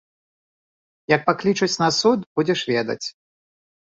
Як паклічуць на суд, будзеш ведаць.